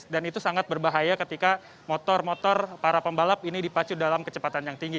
itu sangat berbahaya ketika motor motor para pembalap ini dipacu dalam kecepatan yang tinggi